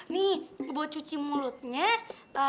nih bawa cuci mulutnya